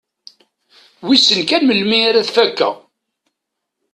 Wissen kan melmi ara t-fakkeɣ.